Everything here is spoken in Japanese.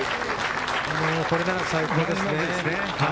これなら最高ですね。